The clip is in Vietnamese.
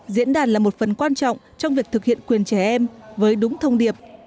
diễn đàn là một phần quan trọng trong việc thực hiện quyền trẻ em với đúng thông điệp